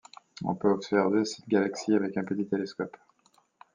On peut observer cette galaxie avec un petit télescope.